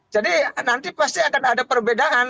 jadi nanti pasti akan ada perbedaan